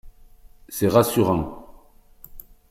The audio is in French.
C’est rassurant